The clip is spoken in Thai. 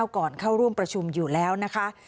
ก่อนเข้าร่วมประชุมอยู่แล้วนะคะ